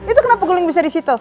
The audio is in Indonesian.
itu kenapa guling bisa disitu